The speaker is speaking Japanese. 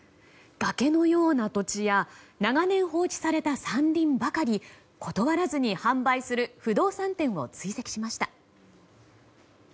崖のような土地や長年放置された山林ばかり断らずに販売する不動産店を追跡しました。